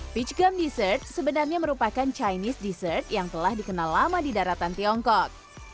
peach gume dessert sebenarnya merupakan chinese dessert yang telah dikenal lama di daratan tiongkok